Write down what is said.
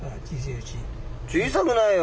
小さくないよ。